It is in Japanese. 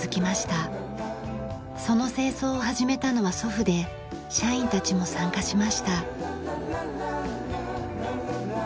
その清掃を始めたのは祖父で社員たちも参加しました。